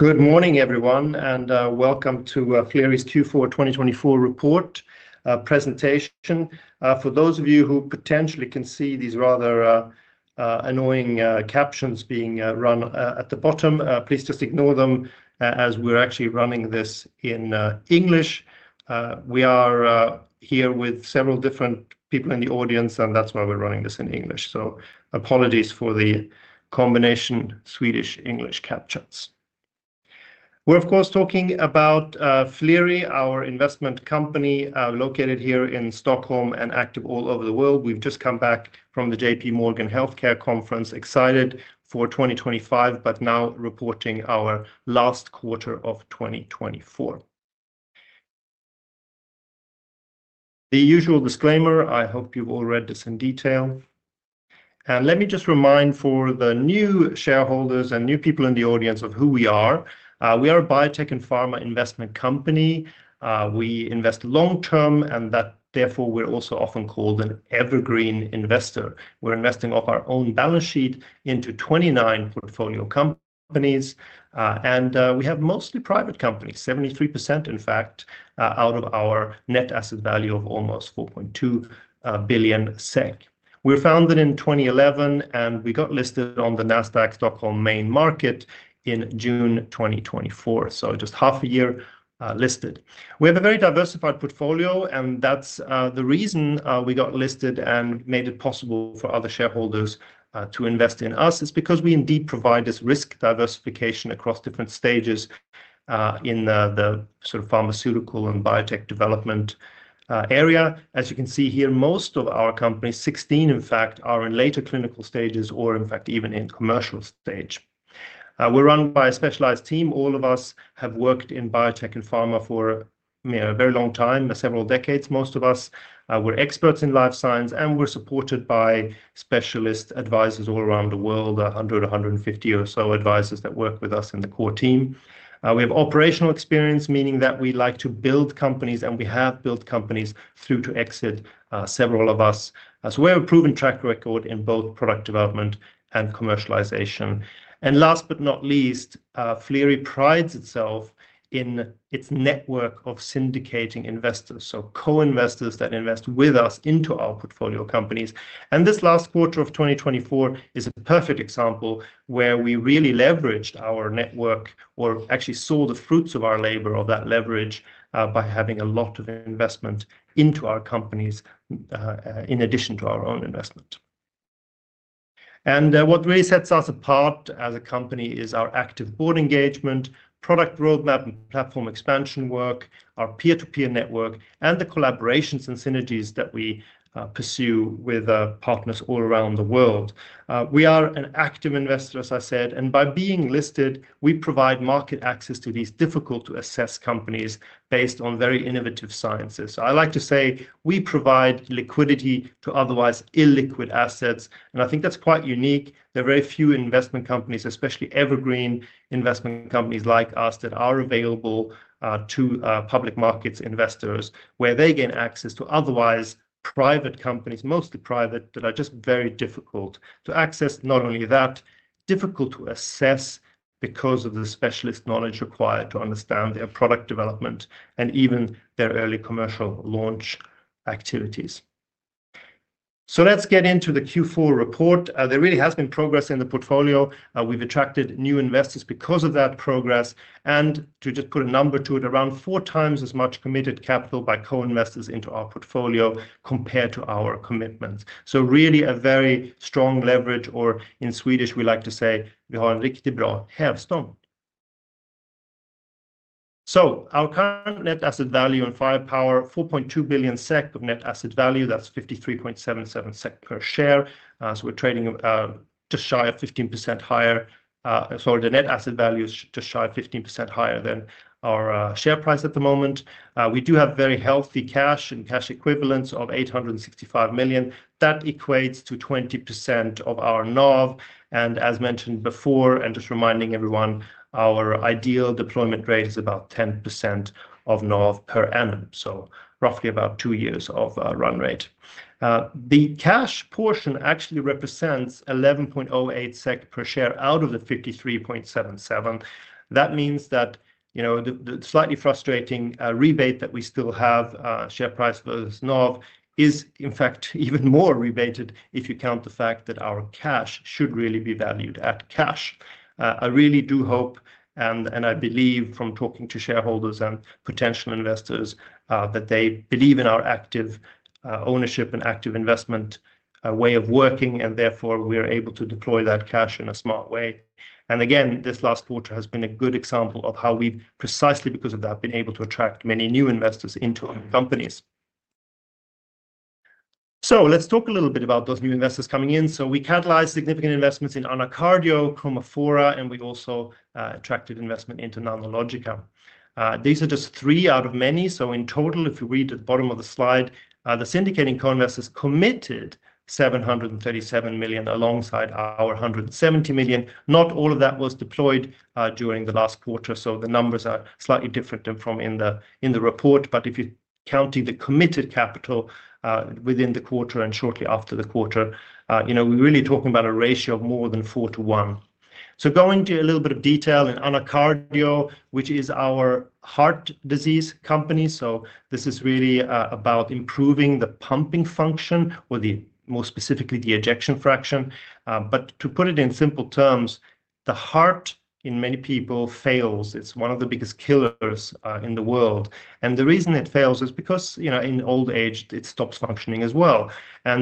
Good morning, everyone, and welcome to Flerie's Q4 2024 Report Presentation. For those of you who potentially can see these rather annoying captions being run at the bottom, please just ignore them as we're actually running this in English. We are here with several different people in the audience, and that's why we're running this in English. So, apologies for the combination Swedish-English captions. We're, of course, talking about Flerie, our investment company located here in Stockholm and active all over the world. We've just come back from the J.P. Morgan Healthcare Conference, excited for 2025, but now reporting our last quarter of 2024. The usual disclaimer: I hope you've all read this in detail. And let me just remind for the new shareholders and new people in the audience of who we are. We are a biotech and pharma investment company. We invest long term, and therefore we're also often called an evergreen investor. We're investing off our own balance sheet into 29 portfolio companies, and we have mostly private companies, 73% in fact, out of our net asset value of almost 4.2 billion SEK. We were founded in 2011, and we got listed on the NASDAQ Stockholm main market in June 2024, so just half a year listed. We have a very diversified portfolio, and that's the reason we got listed and made it possible for other shareholders to invest in us is because we indeed provide this risk diversification across different stages in the sort of pharmaceutical and biotech development area. As you can see here, most of our companies, 16 in fact, are in later clinical stages or in fact even in commercial stage. We're run by a specialized team. All of us have worked in biotech and pharma for a very long time, several decades, most of us. We're experts in life science, and we're supported by specialist advisors all around the world, 100-150 or so advisors that work with us in the core team. We have operational experience, meaning that we like to build companies, and we have built companies through to exit, several of us, so we have a proven track record in both product development and commercialization, and last but not least, Flerie prides itself in its network of syndicating investors, so co-investors that invest with us into our portfolio companies, and this last quarter of 2024 is a perfect example where we really leveraged our network or actually saw the fruits of our labor of that leverage by having a lot of investment into our companies in addition to our own investment. What really sets us apart as a company is our active board engagement, product roadmap and platform expansion work, our peer-to-peer network, and the collaborations and synergies that we pursue with partners all around the world. We are an active investor, as I said, and by being listed, we provide market access to these difficult-to-assess companies based on very innovative sciences. I like to say we provide liquidity to otherwise illiquid assets, and I think that's quite unique. There are very few investment companies, especially evergreen investment companies like us, that are available to public markets investors where they gain access to otherwise private companies, mostly private, that are just very difficult to access. Not only that, difficult to assess because of the specialist knowledge required to understand their product development and even their early commercial launch activities. Let's get into the Q4 report. There really has been progress in the portfolio. We've attracted new investors because of that progress, and to just put a number to it, around four times as much committed capital by co-investors into our portfolio compared to our commitments, so really a very strong leverage, or in Swedish we like to say, vi har en riktigt bra hävstång, so our current Net Asset Value and firepower, 4.2 billion SEK of Net Asset Value, that's 53.77 SEK per share, so we're trading just shy of 15% higher. Sorry, the Net Asset Value is just shy of 15% higher than our share price at the moment. We do have very healthy cash and cash equivalents of 865 million. That equates to 20% of our NAV, and as mentioned before, and just reminding everyone, our ideal deployment rate is about 10% of NAV per annum. So roughly about two years of run rate. The cash portion actually represents 11.08 SEK per share out of the 53.77. That means that, you know, the slightly frustrating rebate that we still have, share price versus NAV, is in fact even more rebated if you count the fact that our cash should really be valued at cash. I really do hope, and I believe from talking to shareholders and potential investors, that they believe in our active ownership and active investment way of working, and therefore we are able to deploy that cash in a smart way. And again, this last quarter has been a good example of how we've precisely because of that been able to attract many new investors into our companies. So let's talk a little bit about those new investors coming in. We catalyzed significant investments in AnaCardio, Chromafora, and we also attracted investment into Nanologica These are just three out of many. In total, if you read at the bottom of the slide, the syndicating co-investors committed 737 million alongside our 170 million. Not all of that was deployed during the last quarter, so the numbers are slightly different from in the report. If you're counting the committed capital within the quarter and shortly after the quarter, you know, we're really talking about a ratio of more than four to one. Going to a little bit of detail in AnaCardio, which is our heart disease company. This is really about improving the pumping function, or more specifically the ejection fraction. To put it in simple terms, the heart in many people fails. It's one of the biggest killers in the world. The reason it fails is because, you know, in old age, it stops functioning as well.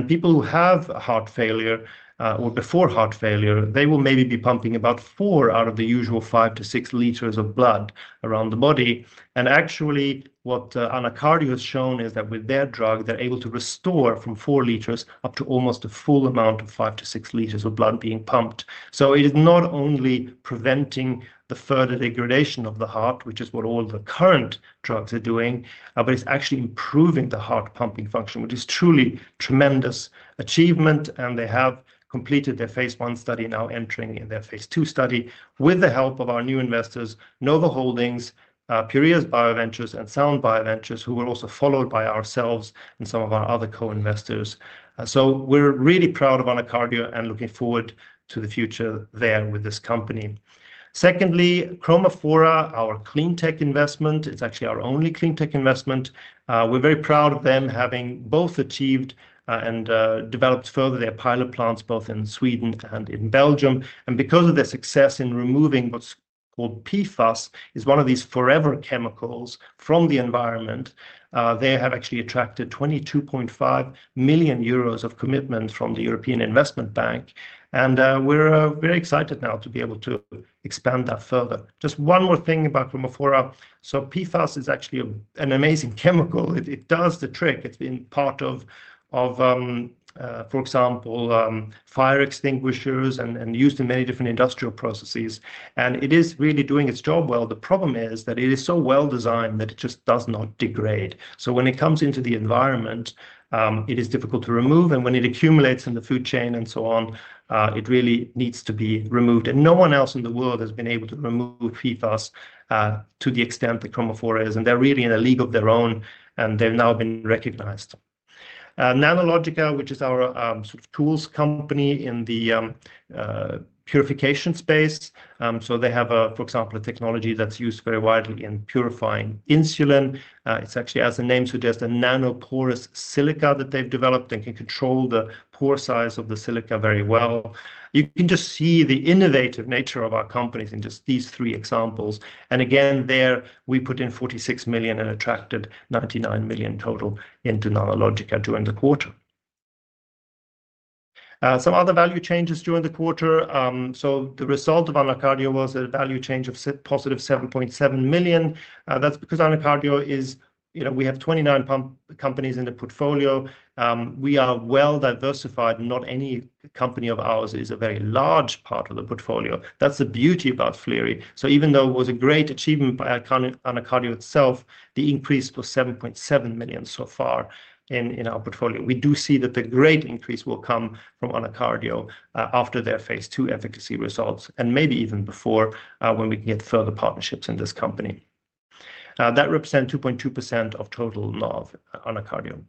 People who have heart failure or before heart failure, they will maybe be pumping about four out of the usual five to six liters of blood around the body. Actually, what AnaCardio has shown is that with their drug, they're able to restore from four liters up to almost the full amount of five to six liters of blood being pumped. It is not only preventing the further degradation of the heart, which is what all the current drugs are doing, but it's actually improving the heart pumping function, which is truly a tremendous achievement. They have completed their phase 1 study, now entering in their Phase 2 study with the help of our new investors, Nova Holdings, Pureos Bioventures, and Sound Bioventures, who were also followed by ourselves and some of our other co-investors. So we're really proud of AnaCardio and looking forward to the future there with this company. Secondly, Chromafora, our clean tech investment, it's actually our only clean tech investment. We're very proud of them having both achieved and developed further their pilot plants both in Sweden and in Belgium. And because of their success in removing what's called PFAS, it's one of these forever chemicals from the environment, they have actually attracted 22.5 million euros of commitment from the European Investment Bank. And we're very excited now to be able to expand that further. Just one more thing about Chromafora. So PFAS is actually an amazing chemical. It does the trick. It's been part of, for example, fire extinguishers and used in many different industrial processes, and it is really doing its job well. The problem is that it is so well designed that it just does not degrade, so when it comes into the environment, it is difficult to remove, and when it accumulates in the food chain and so on, it really needs to be removed, and no one else in the world has been able to remove PFAS to the extent that Chromafora is, and they're really in a league of their own, and they've now been recognized. Nanologica, which is our sort of tools company in the purification space, so they have, for example, a technology that's used very widely in purifying insulin. It's actually, as the name suggests, a nanoporous silica that they've developed and can control the pore size of the silica very well. You can just see the innovative nature of our companies in just these three examples. And again, there we put in 46 million and attracted 99 million total into Nanologica during the quarter. Some other value changes during the quarter. So the result of AnaCardio was a value change of positive 7.7 million. That's because AnaCardio is, you know, we have 29 companies in the portfolio. We are well diversified. Not any company of ours is a very large part of the portfolio. That's the beauty about Flerie. So even though it was a great achievement by AnaCardio itself, the increase was 7.7 million so far in our portfolio. We do see that the great increase will come from AnaCardio after their Phase II efficacy results and maybe even before when we can get further partnerships in this company. That represents 2.2% of total NAV, AnaCardio.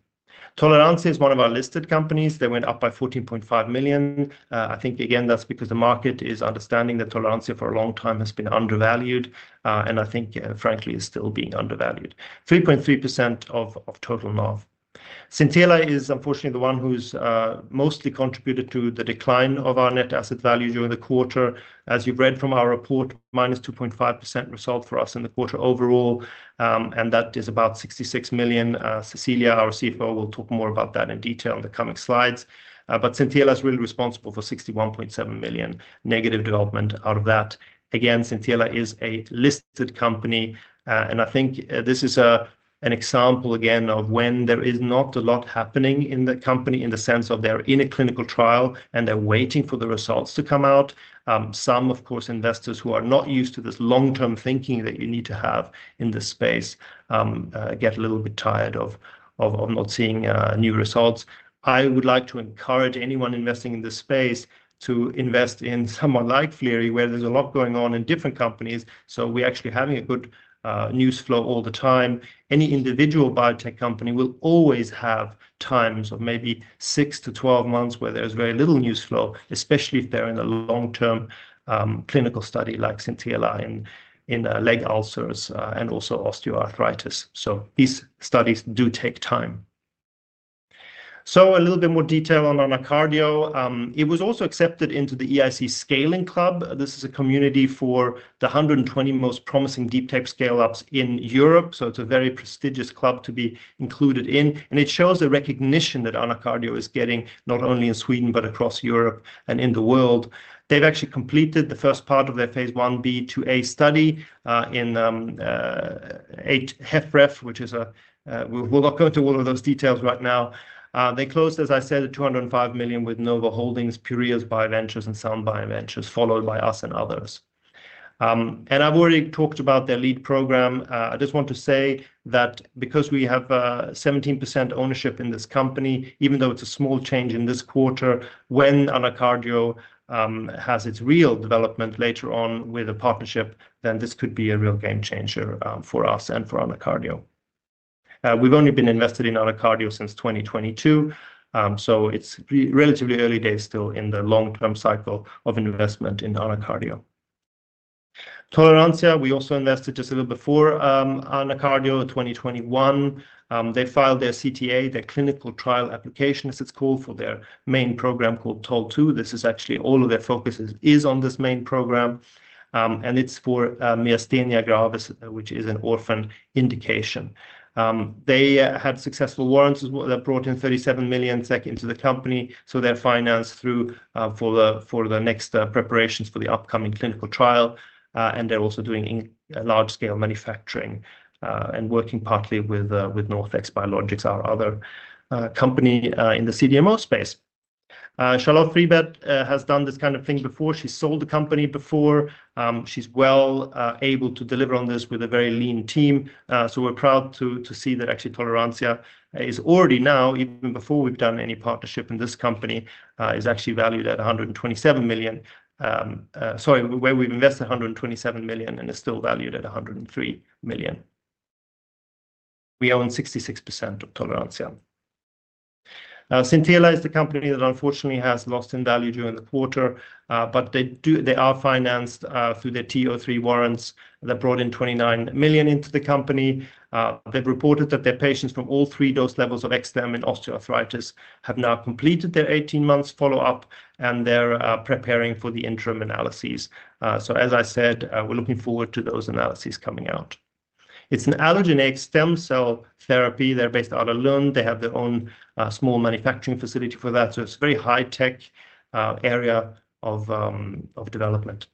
Toleranzia is one of our listed companies. They went up by 14.5 million. I think, again, that's because the market is understanding that Toleranzia for a long time has been undervalued and I think, frankly, is still being undervalued. 3.3% of total NAV. Xintela is unfortunately the one who's mostly contributed to the decline of our net asset value during the quarter. As you've read from our report, minus 2.5% result for us in the quarter overall, and that is about 66 million. Cecilia, our CFO, will talk more about that in detail in the coming slides. But Cecilia is really responsible for 61.7 million negative development out of that. Again, Xintela is a listed company, and I think this is an example again of when there is not a lot happening in the company in the sense of they're in a clinical trial and they're waiting for the results to come out. Some, of course, investors who are not used to this long-term thinking that you need to have in this space get a little bit tired of not seeing new results. I would like to encourage anyone investing in this space to invest in someone like Flerie, where there's a lot going on in different companies. So we're actually having a good news flow all the time. Any individual biotech company will always have times of maybe six to 12 months where there's very little news flow, especially if they're in a long-term clinical study like Xintela in leg ulcers and also osteoarthritis. So these studies do take time. So a little bit more detail on AnaCardio. It was also accepted into the EIC Scaling Club. This is a community for the 120 most promising deep tech scale-ups in Europe. So it's a very prestigious club to be included in. And it shows the recognition that AnaCardio is getting not only in Sweden but across Europe and in the world. They've actually completed the first part of their Phase 1b/2a study in HFrEF, which is, we'll not go into all of those details right now. They closed, as I said, 205 million with Nova Holdings, Pureos Bioventures, and Sound Bioventures, followed by us and others. And I've already talked about their lead program. I just want to say that because we have 17% ownership in this company, even though it's a small change in this quarter, when AnaCardio has its real development later on with a partnership, then this could be a real game changer for us and for AnaCardio. We've only been invested in AnaCardio since 2022. So it's relatively early days still in the long-term cycle of investment in AnaCardio. Toleranzia, we also invested just a little before AnaCardio, 2021. They filed their CTA, their clinical trial application, as it's called, for their main program called TOL2. This is actually all of their focus is on this main program. And it's for Myasthenia gravis, which is an orphan indication. They had successful warrants that brought in 37 million SEK into the company. So they're financed through for the next preparations for the upcoming clinical trial. They're also doing large-scale manufacturing and working partly with NorthX Biologics, our other company in the CDMO space. Charlotte Fribert has done this kind of thing before. She's sold the company before. She's well able to deliver on this with a very lean team. We're proud to see that actually Toleranzia is already now, even before we've done any partnership in this company, is actually valued at 127 million. Sorry, where we've invested 127 million and is still valued at 103 million. We own 66% of Toleranzia. Xintela is the company that unfortunately has lost in value during the quarter, but they are financed through their TO3 warrants that brought in 29 million into the company. They've reported that their patients from all three dose levels of XSTEM in osteoarthritis have now completed their 18-month follow-up and they're preparing for the interim analyses. So as I said, we're looking forward to those analyses coming out. It's an allogeneic stem cell therapy. They're based out of Lund. They have their own small manufacturing facility for that. So it's a very high-tech area of development.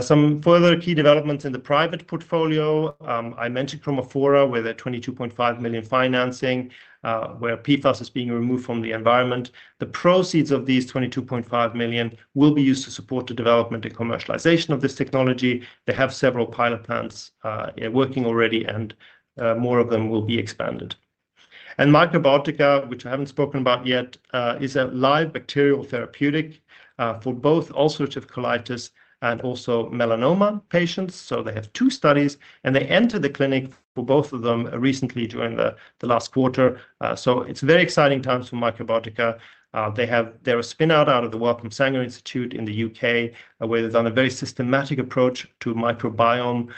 Some further key developments in the private portfolio. I mentioned Chromafora with a 22.5 million financing, where PFAS is being removed from the environment. The proceeds of these 22.5 million will be used to support the development and commercialization of this technology. They have several pilot plants working already, and more of them will be expanded. And Microbiotica, which I haven't spoken about yet, is a live bacterial therapeutic for both ulcerative colitis and also melanoma patients. So they have two studies, and they entered the clinic for both of them recently during the last quarter. So it's a very exciting time for Microbiotica. They have their spin-out out of the Wellcome Sanger Institute in the U.K., where they've done a very systematic approach to microbiome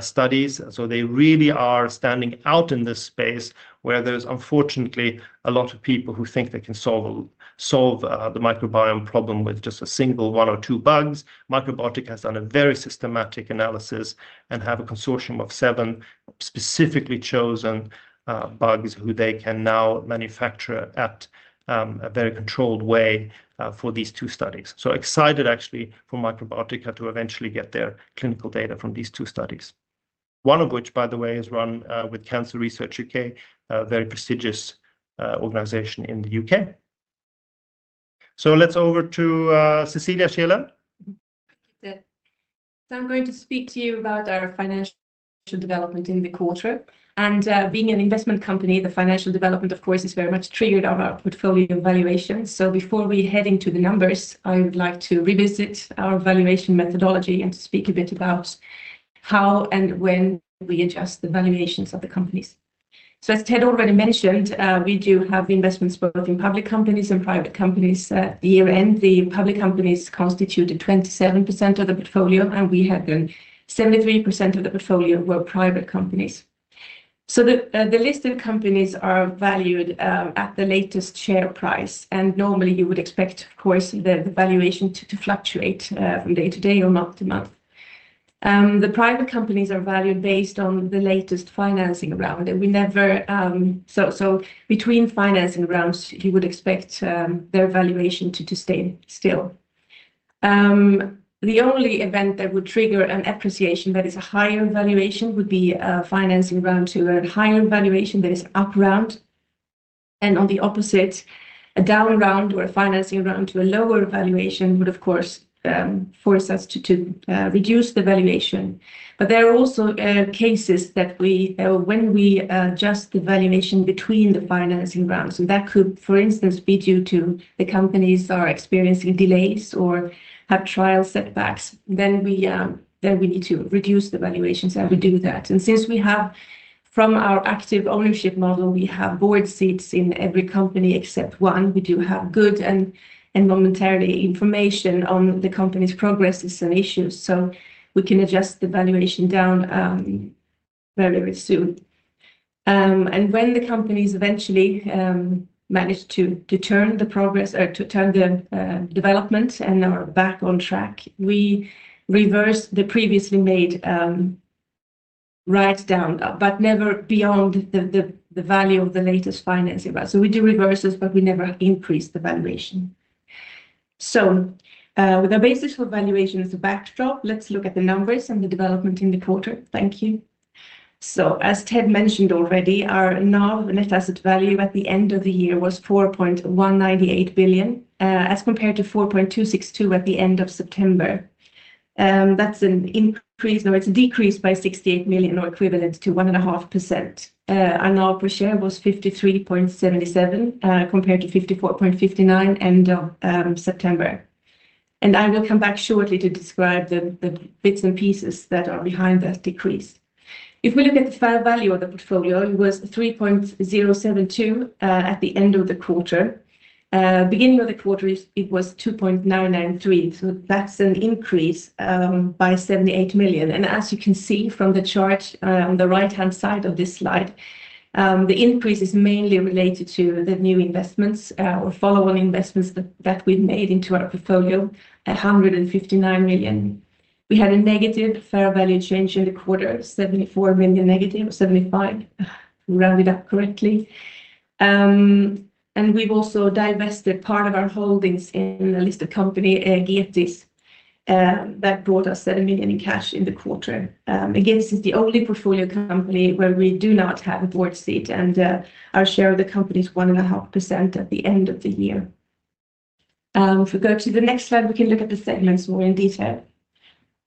studies. So they really are standing out in this space where there's unfortunately a lot of people who think they can solve the microbiome problem with just a single one or two bugs. Microbiotica has done a very systematic analysis and has a consortium of seven specifically chosen bugs who they can now manufacture at a very controlled way for these two studies. So excited actually for Microbiotica to eventually get their clinical data from these two studies, one of which, by the way, is run with Cancer Research U.K., a very prestigious organization in the U.K. So, over to Cecilia Schéele. Thank you, Ted. So I'm going to speak to you about our financial development in the quarter. Being an investment company, the financial development, of course, is very much triggered on our portfolio valuation. So before we head into the numbers, I would like to revisit our valuation methodology and to speak a bit about how and when we adjust the valuations of the companies. So as Ted already mentioned, we do have investments both in public companies and private companies. At year-end, the public companies constituted 27% of the portfolio, and we had then 73% of the portfolio were private companies. So the listed companies are valued at the latest share price. And normally you would expect, of course, the valuation to fluctuate from day to day or month to month. The private companies are valued based on the latest financing round. And we never, so between financing rounds, you would expect their valuation to stay still. The only event that would trigger an appreciation that is a higher valuation would be a financing round to a higher valuation that is up round, and on the opposite, a down round or a financing round to a lower valuation would, of course, force us to reduce the valuation, but there are also cases that when we adjust the valuation between the financing rounds, and that could, for instance, be due to the companies experiencing delays or have trial setbacks, then we need to reduce the valuations and we do that, and since we have, from our active ownership model, we have board seats in every company except one, we do have good and timely information on the company's progress and issues, so we can adjust the valuation down very, very soon. When the companies eventually manage to turn the progress or to turn the development and are back on track, we reverse the previously made write down, but never beyond the value of the latest financing round. We do reverse this, but we never increase the valuation. With our basis for valuation as a backdrop, let's look at the numbers and the development in the quarter. Thank you. As Ted mentioned already, our NAV net asset value at the end of the year was 4.198 billion as compared to 4.262 billion at the end of September. That's an increase, or it's a decrease by 68 million or equivalent to 1.5%. Our NAV per share was 53.77 compared to 54.59 end of September. I will come back shortly to describe the bits and pieces that are behind that decrease. If we look at the value of the portfolio, it was 3.072 at the end of the quarter. Beginning of the quarter, it was 2.993. So that's an increase by 78 million. And as you can see from the chart on the right-hand side of this slide, the increase is mainly related to the new investments or follow-on investments that we've made into our portfolio, 159 million. We had a negative fair value change in the quarter, 74 million negative, 75, rounded up correctly. And we've also divested part of our holdings in a listed company, Egetis, that brought us 7 million in cash in the quarter. Again, this is the only portfolio company where we do not have a board seat. And our share of the company is 1.5% at the end of the year. If we go to the next slide, we can look at the segments more in detail.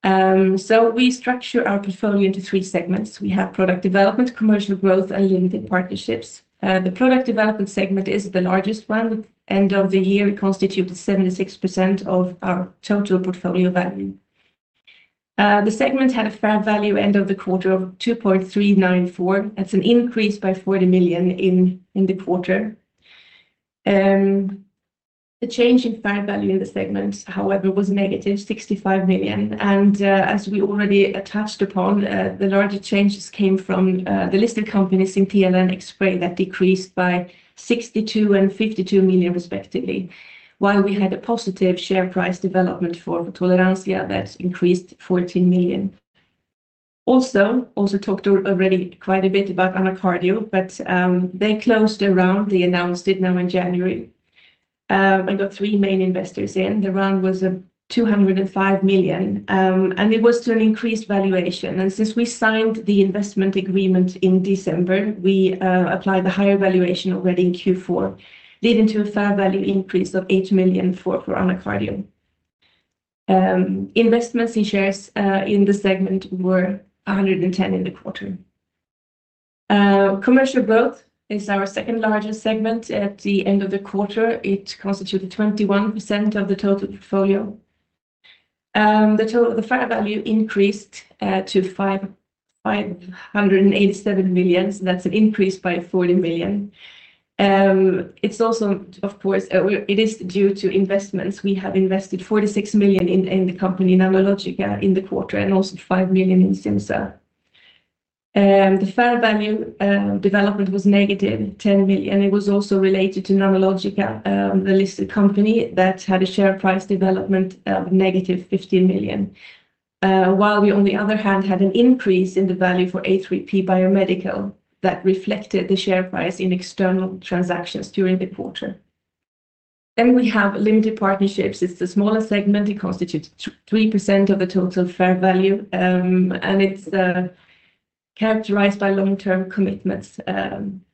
So we structure our portfolio into three segments. We have product development, commercial growth, and limited partnerships. The product development segment is the largest one. End of the year, it constituted 76% of our total portfolio value. The segment had a fair value end of the quarter of 2.394 billion. That's an increase by 40 million in the quarter. The change in fair value in the segment, however, was negative 65 million. And as we already touched upon, the larger changes came from the listed companies Xintela and Xspray that decreased by 62 million and 52 million respectively, while we had a positive share price development for Toleranzia that increased 14 million. We also talked already quite a bit about AnaCardio, but they closed the round they announced it, now in January. I got three main investors in. The round was 205 million, and it was to an increased valuation. And since we signed the investment agreement in December, we applied the higher valuation already in Q4, leading to a fair value increase of 8 million for AnaCardio. Investments in shares in the segment were 110 million in the quarter. Commercial growth is our second largest segment at the end of the quarter. It constituted 21% of the total portfolio. The fair value increased to 587 million. That's an increase by 40 million. It's also, of course, it is due to investments. We have invested 46 million in the company Nanologica in the quarter and also 5 million in Simsen. The fair value development was negative 10 million. It was also related to Nanologica, the listed company that had a share price development of -15 million, while we, on the other hand, had an increase in the value for A3P Biomedical that reflected the share price in external transactions during the quarter. Then we have limited partnerships. It's the smaller segment. It constitutes 3% of the total fair value, and it's characterized by long-term commitments.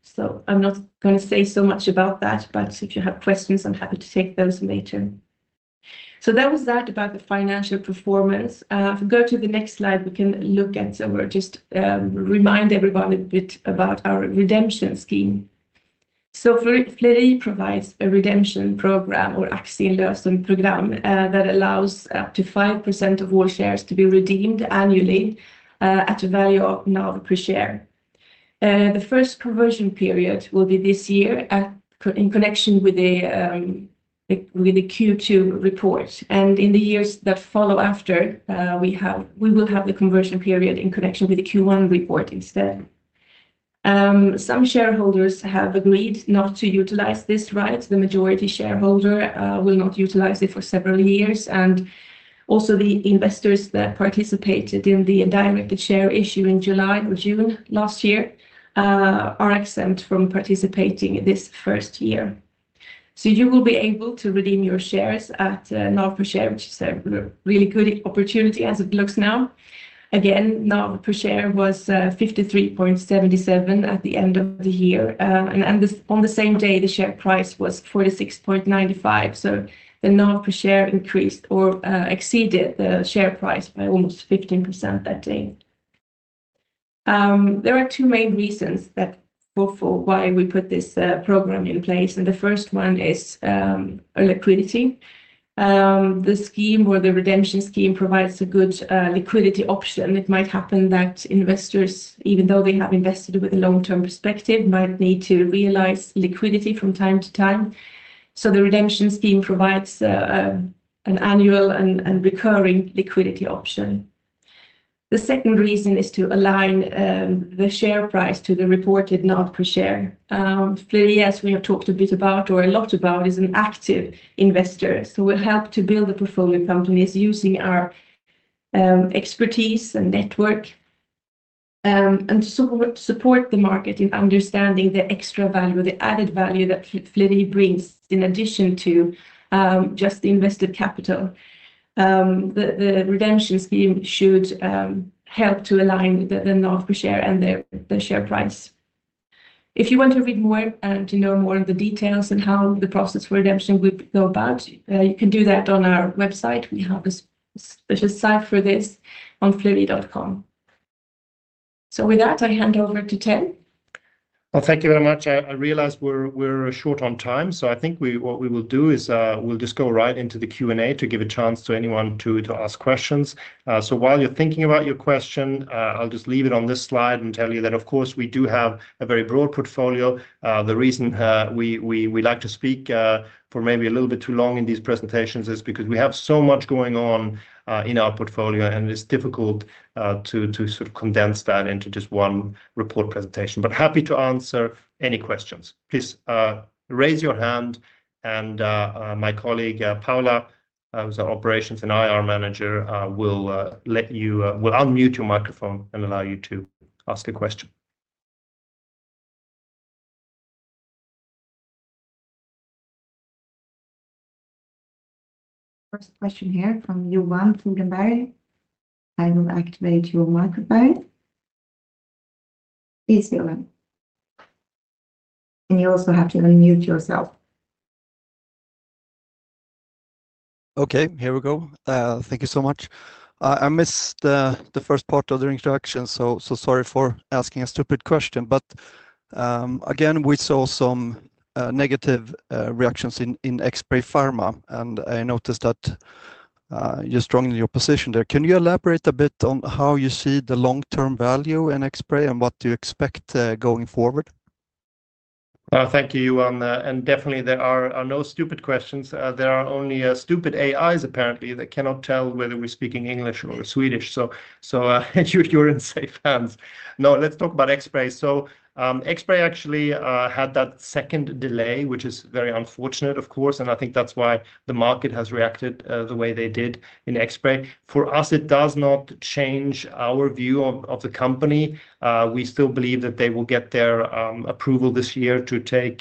So I'm not going to say so much about that, but if you have questions, I'm happy to take those later. So that was that about the financial performance. If we go to the next slide, we can look at, or just remind everyone a bit about our redemption scheme. So Flerie provides a redemption program or annual liquidity program that allows up to 5% of all shares to be redeemed annually at a value of NAV per share. The first conversion period will be this year in connection with the Q2 report. And in the years that follow after, we will have the conversion period in connection with the Q1 report instead. Some shareholders have agreed not to utilize this right. The majority shareholder will not utilize it for several years. And also the investors that participated in the indirect share issue in July or June last year are exempt from participating this first year. So you will be able to redeem your shares at NAV per share, which is a really good opportunity as it looks now. Again, NAV per share was 53.77 at the end of the year. And on the same day, the share price was 46.95. So the NAV per share increased or exceeded the share price by almost 15% that day. There are two main reasons why we put this program in place, and the first one is liquidity. The scheme or the redemption scheme provides a good liquidity option. It might happen that investors, even though they have invested with a long-term perspective, might need to realize liquidity from time to time, so the redemption scheme provides an annual and recurring liquidity option. The second reason is to align the share price to the reported NAV per share. Flerie, as we have talked a bit about or a lot about, is an active investor, so we'll help to build the portfolio companies using our expertise and network and to support the market in understanding the extra value, the added value that Flerie brings in addition to just the invested capital. The redemption scheme should help to align the NAV per share and the share price. If you want to read more and to know more of the details and how the process for redemption would go about, you can do that on our website. We have a special site for this on flerie.com, so with that, I hand over to Ted. Well, thank you very much. I realize we're short on time, so I think what we will do is we'll just go right into the Q&A to give a chance to anyone to ask questions, so while you're thinking about your question, I'll just leave it on this slide and tell you that, of course, we do have a very broad portfolio. The reason we like to speak for maybe a little bit too long in these presentations is because we have so much going on in our portfolio, and it's difficult to sort of condense that into just one report presentation. But happy to answer any questions. Please raise your hand, and my colleague, Paula, who's our operations and IR manager, will let you unmute your microphone and allow you to ask a question. First question here from Johan Fogelberg. I will activate your microphone. Please, Johan. And you also have to unmute yourself. Okay, here we go. Thank you so much. I missed the first part of the introduction, so sorry for asking a stupid question. But again, we saw some negative reactions in Xspray Pharma, and I noticed that you strongly positioned there. Can you elaborate a bit on how you see the long-term value in Xspray and what do you expect going forward? Thank you, Johan. And definitely, there are no stupid questions. There are only stupid AIs, apparently, that cannot tell whether we're speaking English or Swedish. So you're in safe hands. No, let's talk about Xspray. So Xspray actually had that second delay, which is very unfortunate, of course. And I think that's why the market has reacted the way they did in Xspray. For us, it does not change our view of the company. We still believe that they will get their approval this year to take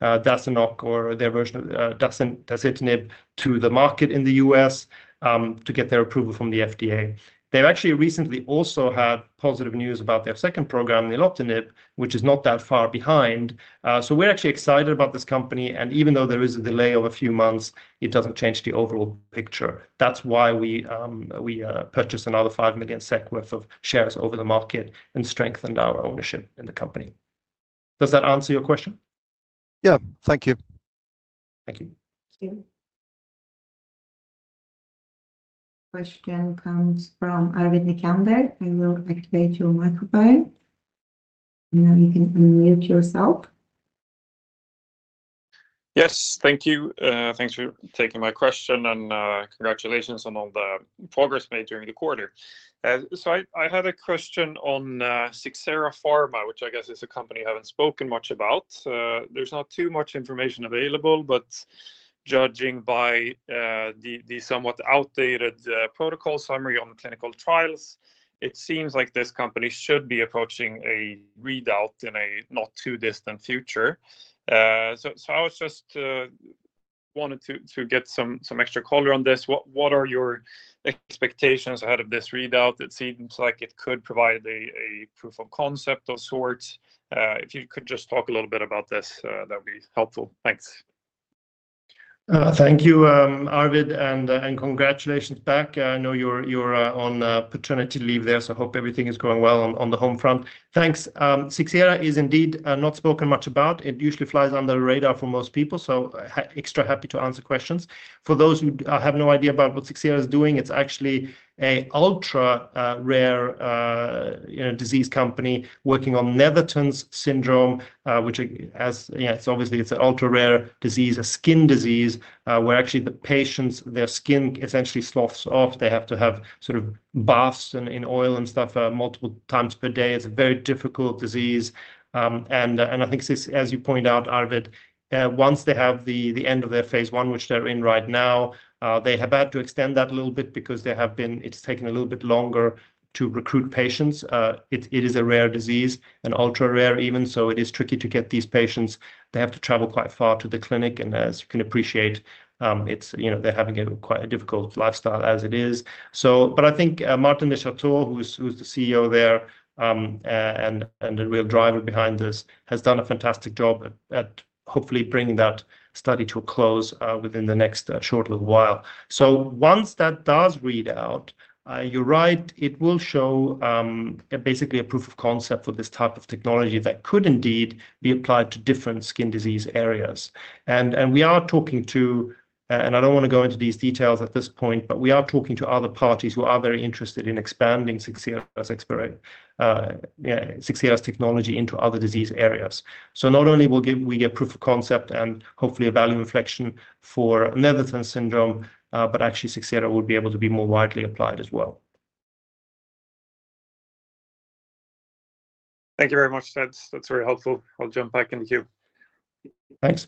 Dasynoc or their version of Dasatinib to the market in the U.S. to get their approval from the FDA. They've actually recently also had positive news about their second program, Nilotinib, which is not that far behind. So we're actually excited about this company. And even though there is a delay of a few months, it doesn't change the overall picture. That's why we purchased another 5 million SEK worth of shares over the market and strengthened our ownership in the company. Does that answer your question? Yeah, thank you. Thank you. Question comes from Arvid Nikander. I will activate your microphone. Now you can unmute yourself. Yes, thank you. Thanks for taking my question and congratulations on all the progress made during the quarter. So I had a question on Sixera Pharma, which I guess is a company I haven't spoken much about. There's not too much information available, but judging by the somewhat outdated protocol summary on clinical trials, it seems like this company should be approaching a readout in a not too distant future. So I just wanted to get some extra color on this. What are your expectations ahead of this readout? It seems like it could provide a proof of concept of sorts. If you could just talk a little bit about this, that would be helpful. Thanks. Thank you, Arvid, and congratulations back. I know you're on paternity leave there, so I hope everything is going well on the home front. Thanks. Sixera is indeed not spoken much about. It usually flies under the radar for most people, so extra happy to answer questions. For those who have no idea about what Sixera is doing, it's actually an ultra-rare disease company working on Netherton's syndrome, which, as it's obviously, it's an ultra-rare disease, a skin disease where actually the patients, their skin essentially sloughs off. They have to have sort of baths in oil and stuff multiple times per day. It's a very difficult disease, and I think, as you point out, Arvid, once they have the end of their phase one, which they're in right now, they have had to extend that a little bit because they have been taking a little bit longer to recruit patients. It is a rare disease, an ultra-rare even, so it is tricky to get these patients. They have to travel quite far to the clinic. And as you can appreciate, they're having a quite difficult lifestyle as it is. But I think Maarten de Château, who's the CEO there and the real driver behind this, has done a fantastic job at hopefully bringing that study to a close within the next short little while. So once that does read out, you're right, it will show basically a proof of concept for this type of technology that could indeed be applied to different skin disease areas. And we are talking to, and I don't want to go into these details at this point, but we are talking to other parties who are very interested in expanding Sixera's technology into other disease areas. So not only will we get proof of concept and hopefully a value inflection for Netherton's syndrome, but actually Sixera will be able to be more widely applied as well. Thank you very much. That's very helpful. I'll jump back into the queue. Thanks.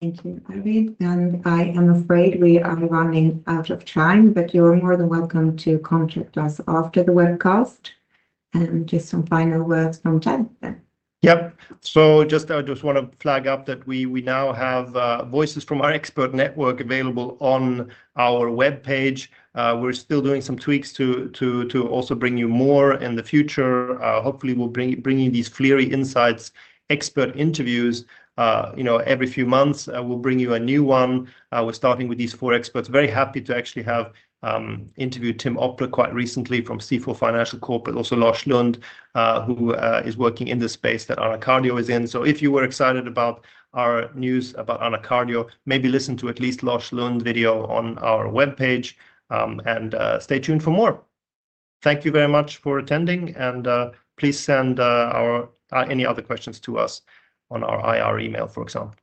Thank you, Arvid. And I am afraid we are running out of time, but you're more than welcome to contact us after the webcast. And just some final words from Ted. Yep. So, I just want to flag up that we now have voices from our expert network available on our web page. We're still doing some tweaks to also bring you more in the future. Hopefully, we'll be bringing these Flerie Insights expert interviews every few months. We'll bring you a new one. We're starting with these four experts. Very happy to actually have interviewed Tim Opler quite recently from Stifel Financial Corp, but also Lars Lund, who is working in the space that AnaCardio is in. So if you were excited about our news about AnaCardio, maybe listen to at least Lars Lund's video on our web page and stay tuned for more. Thank you very much for attending, and please send any other questions to us on our IR email, for example.